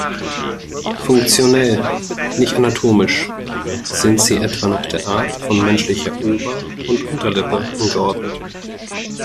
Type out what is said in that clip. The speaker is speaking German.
Funktionell, nicht anatomisch, sind sie etwa nach Art von menschlicher Ober- und Unterlippe angeordnet.